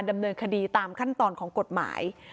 ดำเนินคดีตามขั้นตอนของกฎหมาย